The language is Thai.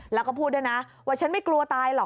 แล้วก็พูดด้วยนะว่าฉันไม่กลัวตายหรอก